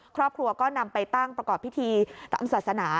ครอบครัวก็นำไปตั้งประกอบพิธีตามศาสนา